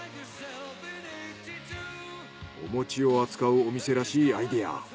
お餅を扱うお店らしいアイデア。